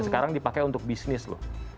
sekarang dipakai untuk bisnis loh